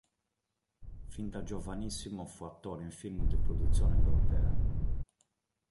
Fin da giovanissimo fu attore in film di produzione europea.